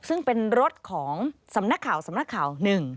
ซึ่งเป็นรถของสำนักข่าว๑